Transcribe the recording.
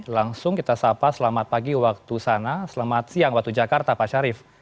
langsung kita sapa selamat pagi waktu sana selamat siang waktu jakarta pak syarif